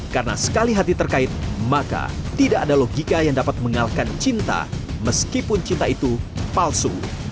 karena sekali hati terkait maka tidak ada logika yang dapat mengalahkan cinta meskipun cinta itu palsu